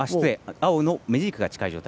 青のメジークが近い状態。